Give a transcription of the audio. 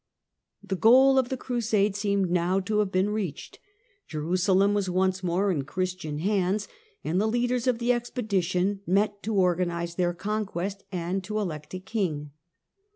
The goal of the Crusade seemed now to have been Godfrey of reached. Jerusalem was once more in Christian hands, ^ected^^ and the leaders of the expedition met to organize their S"55uke^" of conquest and to elect a king.